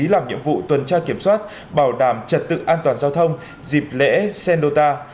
làm nhiệm vụ tuần tra kiểm soát bảo đảm trật tự an toàn giao thông dịp lễ xendota